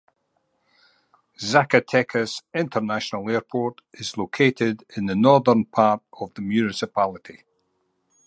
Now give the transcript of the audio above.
Zacatecas International Airport is located in the northern part of the municipality.